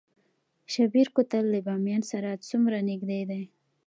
شیبر کوتل له بامیان سره څومره نږدې دی؟